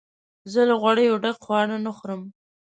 زه له غوړیو ډک خواړه نه خورم.